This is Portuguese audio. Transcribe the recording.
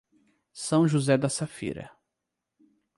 São José da Safira